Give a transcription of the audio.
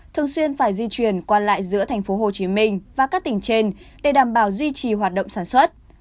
thường xuyên phải di chuyển qua lại giữa tp hcm và các tỉnh trên để đảm bảo duy trì hoạt động sản xuất